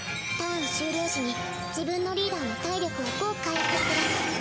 ターン終了時に自分のリーダーの体力を５回復する。